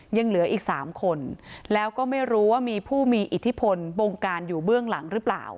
ยังเหลืออีก๓คนแล้วก็ไม่รู้ว่ามีผู้มีอิทธิพลบงการอยู่เบื้องหลังหรือเปล่า